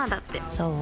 そう？